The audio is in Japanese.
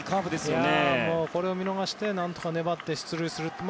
これを見逃して何とか粘って出塁する。